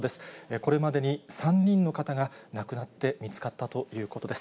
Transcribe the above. これまでに３人の方が亡くなって見つかったということです。